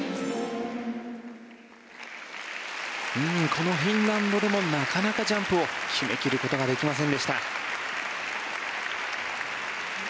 このフィンランドでもなかなかジャンプを決め切ることができませんでした。